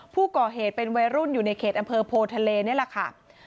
ผู้ก่อเหตุเป็นวัยรุ่นอยู่ในเขตอำเภอโพทะเลนี่แหละค่ะ